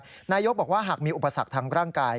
นายกบอกว่าหากมีอุปสรรคทางร่างกาย